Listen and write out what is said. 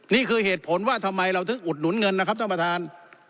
นี่คือเหตุผลว่าทำไมเราถึงอุดหนุนเงินนะครับท่านประธาน